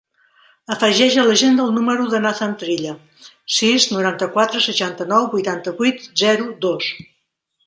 Afegeix a l'agenda el número del Nathan Trilla: sis, noranta-quatre, seixanta-nou, vuitanta-vuit, zero, dos.